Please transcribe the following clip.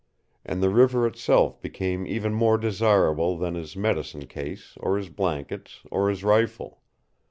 And the river itself became even more desirable than his medicine case, or his blankets, or his rifle.